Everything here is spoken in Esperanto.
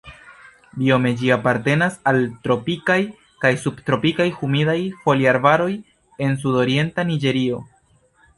Biome ĝi apartenas al tropikaj kaj subtropikaj humidaj foliarbaroj en sudorienta Niĝerio.